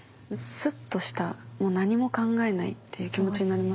スッとしたもう何も考えないという気持ちになりますね。